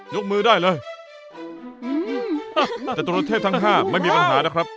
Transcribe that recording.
ยกมือได้เลยจตุรเทพทั้งห้าไม่มีปัญหานะครับ